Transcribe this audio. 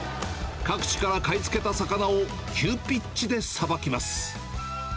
各地から買いつけた魚を急ピッチでさばきます。